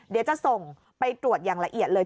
เดี๋ยวจะส่งไปตรวจอย่างละเอียดเลย